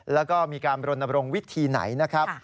แล้วก็มีการบรณบรงค์วิธีไหนนะครับ